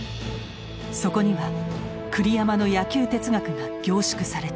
そこには栗山の野球哲学が凝縮されている。